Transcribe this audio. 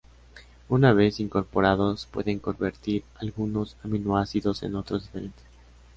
Una vez incorporados, pueden convertir algunos aminoácidos en otros diferentes.